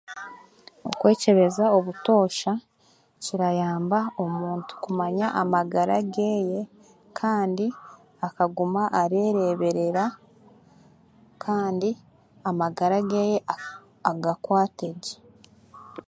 okwekyebeza obutoosha kirayamba omuntu kumanya amagara geeye kandu akaguma areeberera kandi amagara ge agakwategye